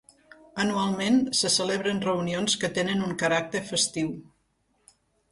Anualment se celebren reunions que tenen un caràcter festiu.